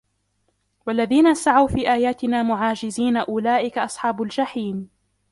وَالَّذِينَ سَعَوْا فِي آيَاتِنَا مُعَاجِزِينَ أُولَئِكَ أَصْحَابُ الْجَحِيمِ